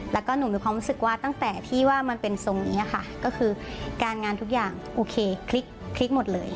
แล้วก็หนูมีความรู้สึกว่าตั้งแต่ที่ว่ามันเป็นทรงนี้ค่ะก็คือการงานทุกอย่างโอเคคลิกหมดเลย